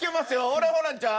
俺ホランちゃん